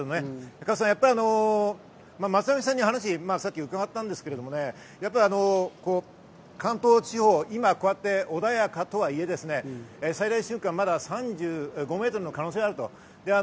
加藤さん、やっぱり松並さんに話を伺ったんですけれども、関東地方、今こうやって穏やかとはいえ、最大瞬間はまだ３５メートルの可能性があると。